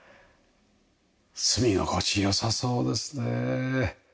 住み心地良さそうですね。